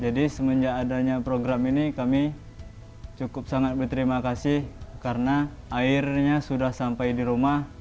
jadi semenjak adanya program ini kami cukup sangat berterima kasih karena airnya sudah sampai di rumah